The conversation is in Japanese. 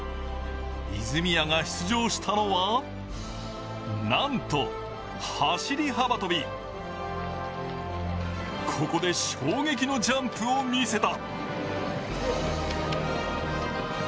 泉谷が出場したのはなんと、走幅跳ここで衝撃のジャンプを見せた。